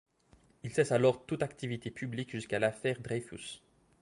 Il cesse alors toute activité publique jusqu'à l'affaire Dreyfus.